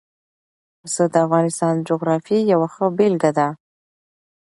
پسه د افغانستان د جغرافیې یوه ښه بېلګه ده.